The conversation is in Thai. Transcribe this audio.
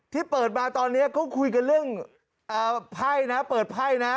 ที่เปิดมาตอนนี้เขาคุยกันเรื่องไพ่นะเปิดไพ่นะ